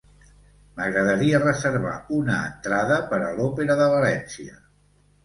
M'agradaria reservar una entrada per a l'òpera de València.